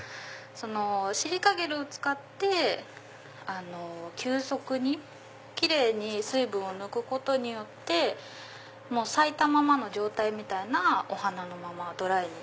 シリカゲルを使って急速にキレイに水分を抜くことによって咲いたままの状態みたいなお花のままドライに。